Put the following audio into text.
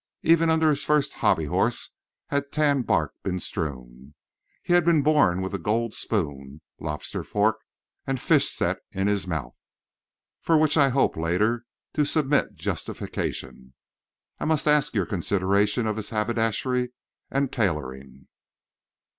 Even under his first hobby horse had tan bark been strewn. He had been born with a gold spoon, lobster fork and fish set in his mouth. For which I hope, later, to submit justification, I must ask your consideration of his haberdashery and tailoring.